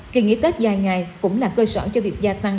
kỳ nghỉ tết dài ngày cũng là cơ sở cho việc gia tăng